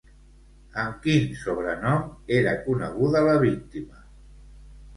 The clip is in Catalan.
Amb quin sobrenom era coneguda la víctima?